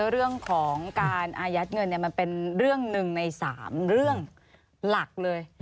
เรื่องของการอายัดเงินมันเป็นเรื่องหนึ่งใน๓เรื่องหลักเลย